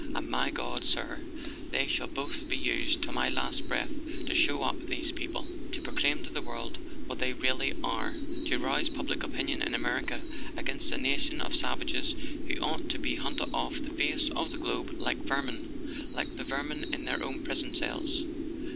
And, my God, sir, they shall both be used till my last breath to show up these people, to proclaim to the world what they really are, to rouse public opinion in America against a nation of savages who ought to be hunted off the face of the globe like vermin—like the vermin in their own prison cells!